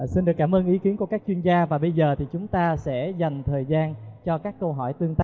xin được cảm ơn ý kiến của các chuyên gia và bây giờ thì chúng ta sẽ dành thời gian cho các câu hỏi tương tác